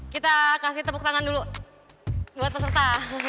kita kasih tepuk tangan dulu buat peserta